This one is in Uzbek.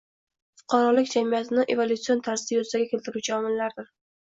fuqarolik jamiyatini evolyutsion tarzda yuzaga keltiruvchi omillardir.